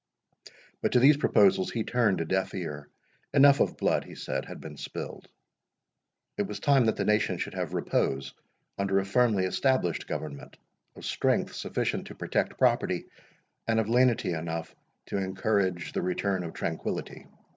But to these proposals he turned a deaf ear. Enough of blood, he said, had been spilled—it was time that the nation should have repose under a firmly established government, of strength sufficient to protect property, and of lenity enough to encourage the return of tranquillity.